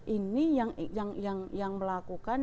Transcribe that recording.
ini yang melakukan